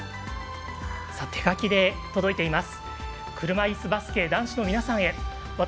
手書きで届いています。